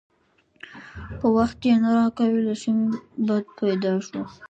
په وخت یې نه راکوي؛ له ښه مې بد پیدا شو.